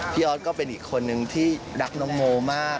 ออสก็เป็นอีกคนนึงที่รักน้องโมมาก